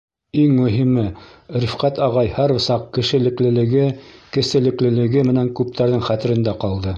Иң мөһиме — Рифҡәт ағай һәр саҡ кешелеклелеге, кеселеклелеге менән күптәрҙең хәтерендә ҡалды.